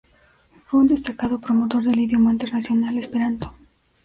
Fue un destacado promotor del idioma internacional esperanto.